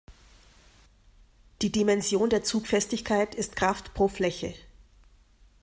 Die Dimension der Zugfestigkeit ist Kraft pro Fläche.